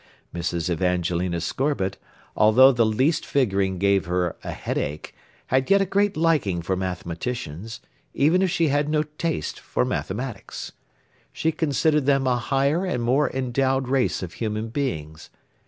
Mrs. Evangelina Scorbitt, although the least figuring gave her a headache, had yet a great liking for mathematicians, even if she had no taste for mathematics. She considered them a higher and more endowed race of human beings.